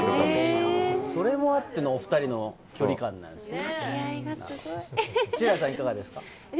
それで合ってるの、お２人の距離感なんですね。